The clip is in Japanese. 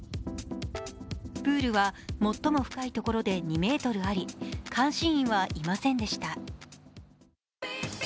プールは最も深いところで２ｍあり、監視員はいませんでした。